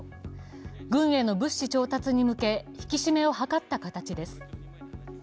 軍への物資調達に向け引き締めを図った形です。